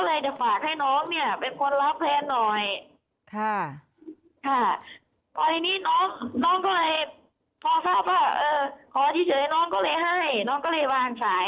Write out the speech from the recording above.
ตอนนี้น้องก็เลยพอทราบว่าขอที่เฉยน้องก็เลยให้น้องก็เลยวางสาย